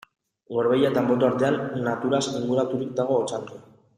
Gorbeia eta Anboto artean, naturaz inguraturik dago Otxandio.